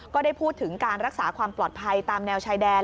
ก็ได้พูดถึงการรักษาความปลอดภัยตามแนวชายแดน